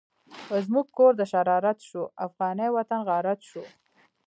زمونږ کور دشرارت شو، افغانی وطن غارت شو